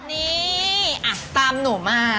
นี่ตามหนูมา